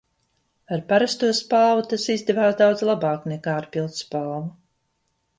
Ar parasto spalvu tas izdevās daudz labāk nekā ar pildspalvu.